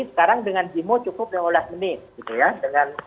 sekarang dengan demo cukup lima belas menit gitu ya